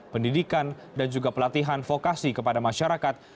pendidikan dan juga pelatihan vokasi kepada masyarakat